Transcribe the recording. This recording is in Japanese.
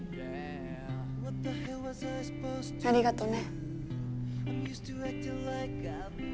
ありがとね。